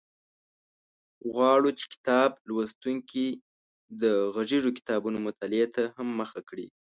غواړو چې کتاب لوستونکي د غږیزو کتابونو مطالعې ته هم مخه کړي.